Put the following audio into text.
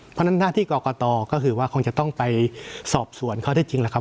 เพราะฉะนั้นหน้าที่กรกตก็คือว่าคงจะต้องไปสอบสวนข้อได้จริงแล้วครับ